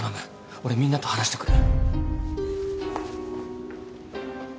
俺みんなと話してくる。